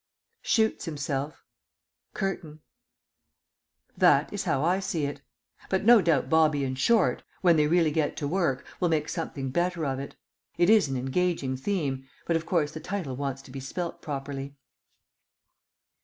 [Shoots himself. CURTAIN. ..... That is how I see it. But no doubt Bobby and Short, when they really get to work, will make something better of it. It is an engaging theme, but, of course, the title wants to be spelt properly.